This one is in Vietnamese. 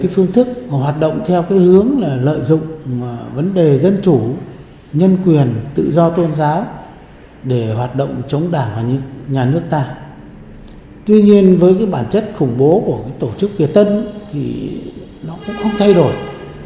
tổ chức khủng bố của tổ chức việt tân cũng không thay đổi